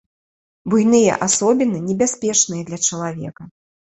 Буйныя асобіны небяспечныя для чалавека.